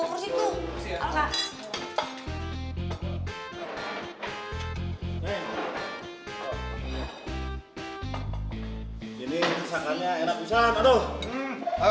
ini sakannya enak bisa